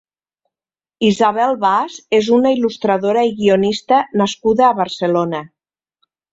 Isabel Bas és una il·lustradora i guionista nascuda a Barcelona.